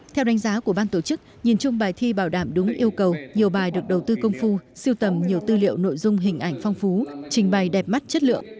theo đánh giá của ban tổ chức nhìn chung bài thi bảo đảm đúng yêu cầu nhiều bài được đầu tư công phu siêu tầm nhiều tư liệu nội dung hình ảnh phong phú trình bày đẹp mắt chất lượng